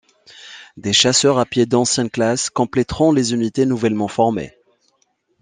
Des chasseurs à pied d'anciennes classes complèteront les unités nouvellement formées.